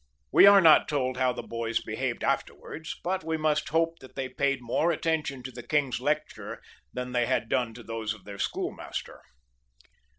We are not told how the boys behaved afterwards, but we must hope that they paid more attention to the king's lecture than they had done to those of their Schoolmaster.